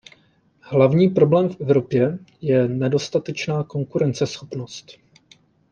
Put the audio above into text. Hlavní problém v Evropě je nedostatečná konkurenceschopnost.